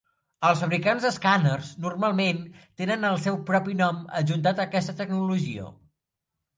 Els fabricants d'escàners normalment tenen el seu propi nom adjuntat a aquesta tecnologia.